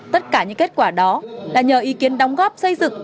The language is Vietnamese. tất cả những kết quả đó là nhờ ý kiến đóng góp xây dựng